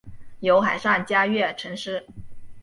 有海上嘉月尘诗。